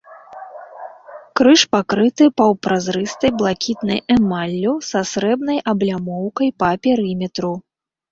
Крыж пакрыты паўпразрыстай блакітнай эмаллю, са срэбнай аблямоўкай па перыметру.